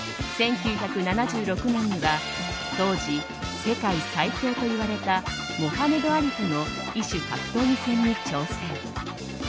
１９７６年には当時、世界最強といわれたモハメド・アリとの異種格闘技戦に挑戦。